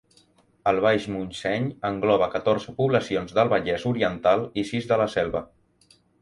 El Baix Montseny engloba catorze poblacions del Vallès Oriental i sis de la Selva.